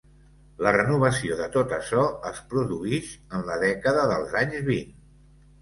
La renovació de tot açò es produïx en la dècada dels anys vint.